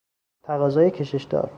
تقاضای کشش دار